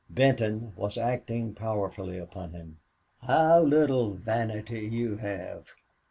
Benton was acting powerfully upon him. "How little vanity you have!...